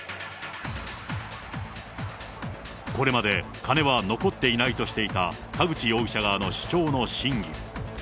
これまで、金は残っていないとしていた田口容疑者側の主張の真偽。